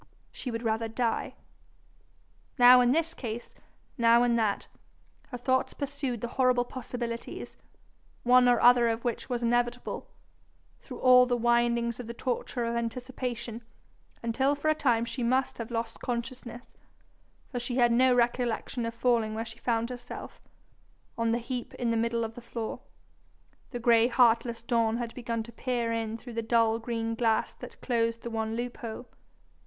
she would rather die. Now in this case, now in that, her thoughts pursued the horrible possibilities, one or other of which was inevitable, through all the windings of the torture of anticipation, until for a time she must have lost consciousness, for she had no recollection of falling where she found herself on the heap in the middle of the floor. The gray heartless dawn had begun to peer in through the dull green glass that closed the one loophole.